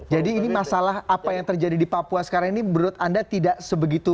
jadi ini masalah apa yang terjadi di papua sekarang ini menurut anda tidak sebegitu